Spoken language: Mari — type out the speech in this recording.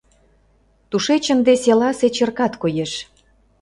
Тушеч ынде селасе черкат коеш.